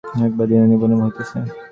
এক- এক বার দীপ নিবো-নিবো হইতেছে।